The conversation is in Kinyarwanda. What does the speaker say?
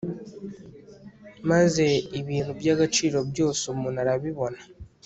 maze ibintu by'agaciro byose, umuntu arabibona